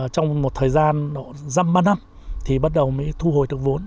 trong một thời gian ba năm thì bắt đầu mới thu hồi được vốn